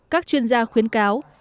các chuyên gia khuyến cáo